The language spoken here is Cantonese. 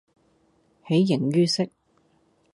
喜形於色